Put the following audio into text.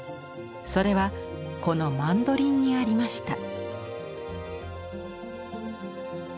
それはこのマンドリンにありました。